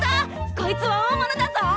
こいつは大物だぞ！